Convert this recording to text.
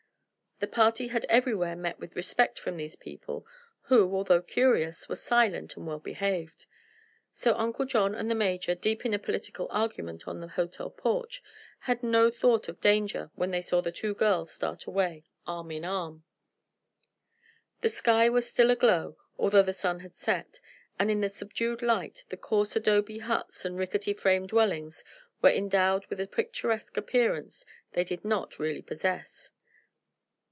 The party had everywhere met with respect from these people, who, although curious, were silent and well behaved; so Uncle John and the Major, deep in a political argument on the hotel porch, had no thought of danger when they saw the two girls start away arm in arm. The sky was still aglow, although the sun had set, and in the subdued light the coarse adobe huts and rickety frame dwellings were endowed with a picturesque appearance they did not really possess.